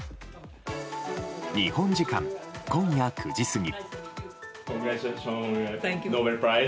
日本時間今夜９時過ぎ。